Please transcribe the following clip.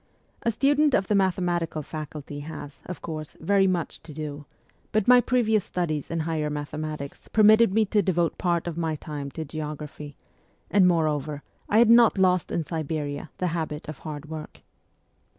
A student of the mathematical faculty has, of course, very much to do, but my previous studies in higher mathematics permitted me to devote part of my time to geography ; and, moreover, I had not lost in Siberia the habit of hard work.